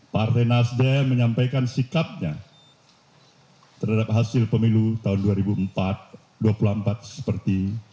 partai nasdem menyampaikan sikapnya terhadap hasil pemilu tahun dua ribu empat dua ribu dua puluh empat seperti